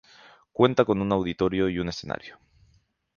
Cuenta con un auditorio y un escenario.